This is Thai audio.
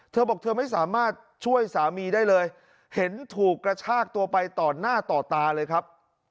เธอบอกเธอไม่สามารถช่วยสามีได้เลยเห็นถูกกระชากตัวไปต่อหน้าต่อตาเลยครับ